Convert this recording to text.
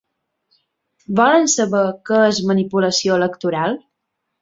Volen saber què és manipulació electoral?